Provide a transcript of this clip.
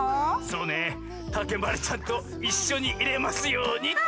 そうねたけまりちゃんといっしょにいれますようにって！